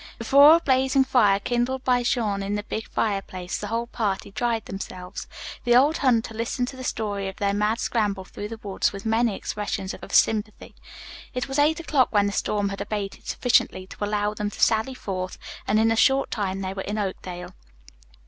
Before a blazing fire kindled by Jean in the big fireplace, the whole party dried themselves. The old hunter listened to the story of their mad scramble through the woods with many expressions of sympathy. It was eight o'clock when the storm had abated sufficiently to allow them to sally forth, and in a short time they were in Oakdale.